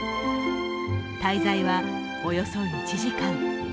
滞在はおよそ１時間。